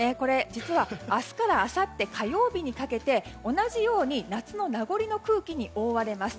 実はこれ、明日からあさって火曜日にかけて同じように夏の名残の空気に覆われます。